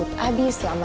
apa dia maksudmu